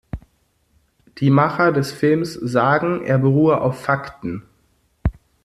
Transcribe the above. Die Macher des Films sagen, er beruhe auf Fakten.